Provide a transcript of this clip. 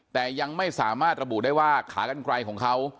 แต่ยังไม่สามารถระบุได้ว่าขากันไกลของเขา